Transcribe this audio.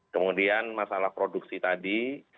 kemudian masalah produksi tadi